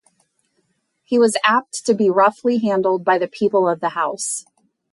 He was apt to be roughly handled by the people of the house.